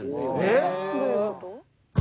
えっ？どういうこと？